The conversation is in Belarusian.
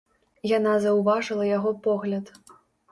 Яна заўважыла яго погляд.